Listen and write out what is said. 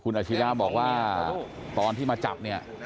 อาชิระบอกว่าตอนที่มาจับเนี่ย